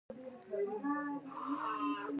باز د لوړ اواز خاوند دی